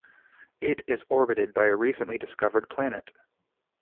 It is orbited by a recently discovered planet.